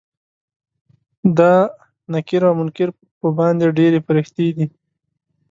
دا نکير او منکر په باندې ډيرې پريښتې دي